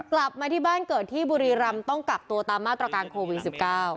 กลับมาที่บ้านเกิดที่บุรีรำต้องกักตัวตามมาตรการโควิด๑๙